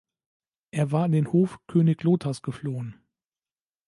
Er war an den Hof König Lothars geflohen.